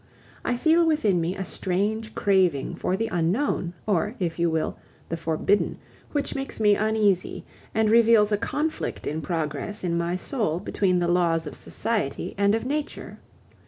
I feel within me a strange craving for the unknown, or, if you will, the forbidden, which makes me uneasy and reveals a conflict in progress in my soul between the laws of society and of nature.